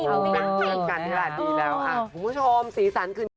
เป็นการทีราชดีแล้วค่ะคุณผู้ชมสีสันคืน